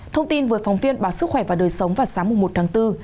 thông tin vừa phóng viên bảo sức khỏe và đời sống vào sáng một tháng bốn